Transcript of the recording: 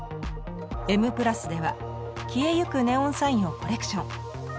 「Ｍ＋」では消えゆくネオンサインをコレクション。